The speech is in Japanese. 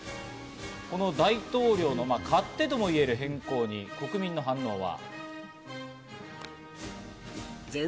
この大統領の勝手ともいえる変更に国民の反応は。